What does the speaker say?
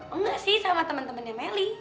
enggak sih sama temen temennya melly